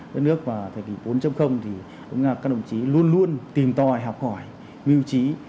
đất nước vào thời kỳ bốn thì các đồng chí luôn luôn tìm tòi học hỏi mưu trí